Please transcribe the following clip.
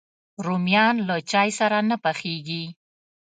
رومیان له چای سره نه پخېږي